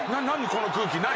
この空気何？